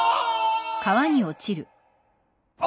あっ！